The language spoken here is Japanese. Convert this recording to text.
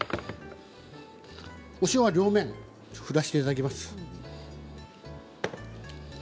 お塩は、両面振らせていただきます。